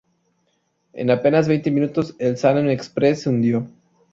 En apenas veinte minutos el Salem Express se hundió.